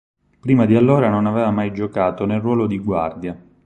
Prima di allora non aveva mai giocato nel ruolo di guardia.